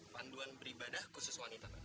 panduan beribadah khusus wanita pak